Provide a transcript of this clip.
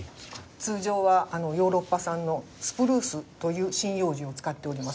通常はヨーロッパ産のスプルースという針葉樹を使っております。